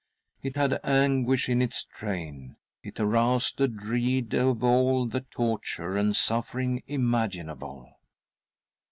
It had anguish in its train ; it aroused a dread of all the torture and suffering, imaginable.